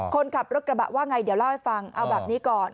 คนขับรถกระบะว่าไงเดี๋ยวเล่าให้ฟังเอาแบบนี้ก่อน